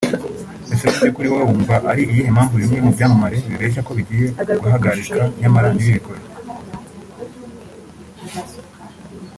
Ese mu by'ukuri wowe wumva ari iyihe mpamvu bimwe mu byamamare bibeshya ko bigiye guhagarika nyamara ntibibikore